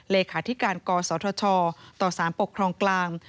เลขาธิการกศธชต่อสารปกครองกลาง